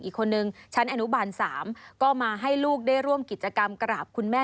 อีกคนนึงชั้นอนุบาล๓ก็มาให้ลูกได้ร่วมกิจกรรมกราบคุณแม่